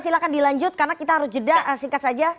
silahkan dilanjut karena kita harus jeda singkat saja